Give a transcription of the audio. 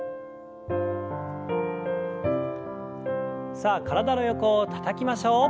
さあ体の横をたたきましょう。